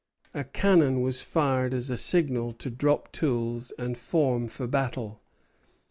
A cannon was fired as a signal to drop tools and form for battle.